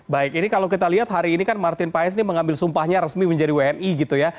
baik ini kalau kita lihat hari ini kan martin paes ini mengambil sumpahnya resmi menjadi wni gitu ya